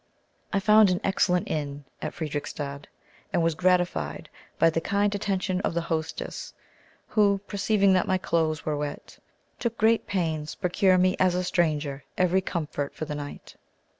I found an excellent inn at Fredericstadt, and was gratified by the kind attention of the hostess, who, perceiving that my clothes were wet, took great pains procure me, as a stranger, every comfort for the night.